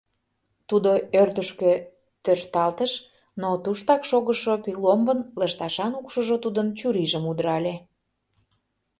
Тудо ӧрдыжкӧ тӧршталтыш, но туштак шогышо пиломбын лышташан укшыжо тудын чурийжым удырале.